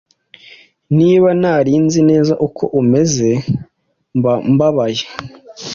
Niba ntari nzi neza uko umeze mba mbabaye.